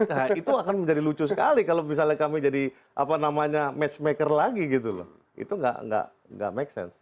nah itu akan menjadi lucu sekali kalau misalnya kami jadi apa namanya matchmaker lagi gitu loh itu nggak make sense